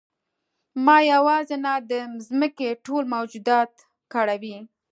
ما یوازې نه د ځمکې ټول موجودات کړوي.